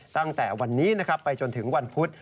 ตั้งแต่วันนี้ไปจนถึงวันพุธ